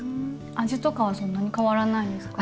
味とかはそんなに変わらないんですか？